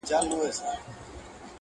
ورور به وژني د غلیم نوم یې په سر دی!!